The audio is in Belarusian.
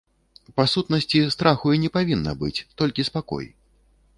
Па сутнасці, страху і не павінна быць, толькі спакой.